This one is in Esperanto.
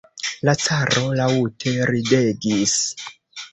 La caro laŭte ridegis.